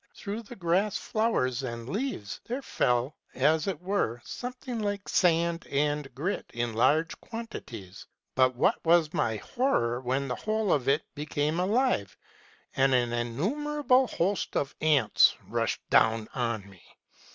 Through the grass, flowers, and leaves, there fell, as it were, something like sand and grit in large quantities ; but what was my horror when the whole of it became alive, and an innumerable host of ants rushed down on me